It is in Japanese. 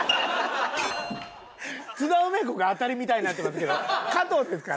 津田梅子が当たりみたいになってますけど加藤ですから。